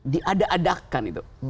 di ada adakan itu